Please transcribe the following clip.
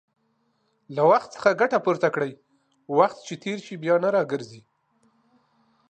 د وخت څخه ګټه پورته کړئ، وخت چې تېر شي، بيا نه راګرځي